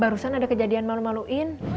barusan ada kejadian malu maluin